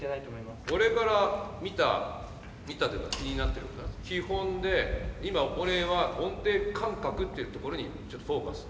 俺から見た見たというか気になってることは基本で今俺は音程感覚っていうところにちょっとフォーカス。